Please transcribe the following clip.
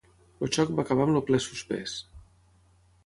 El xoc va acabar amb el ple suspès.